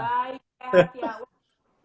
baik sehat ya